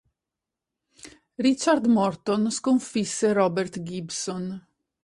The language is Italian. Richard Morton sconfisse Robert Gibson.